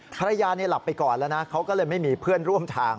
ภรรยาหลับไปก่อนแล้วนะเขาก็เลยไม่มีเพื่อนร่วมทาง